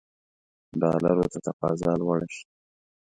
ډالرو ته تقاضا لوړه شي.